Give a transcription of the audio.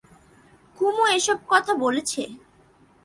কুমু কাকে এ-সব কথা বলছে?